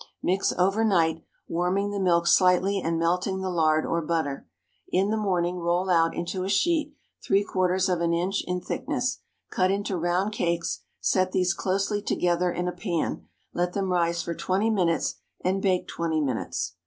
Mix over night, warming the milk slightly and melting the lard or butter. In the morning, roll out into a sheet three quarters of an inch in thickness; cut into round cakes, set these closely together in a pan, let them rise for twenty minutes, and bake twenty minutes.